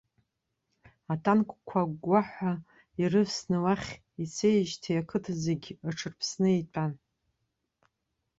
Атанкқәа агәгәаҳәа ирывсны уахь ицеижьҭеи, ақыҭа зегь аҽырԥсны итәан.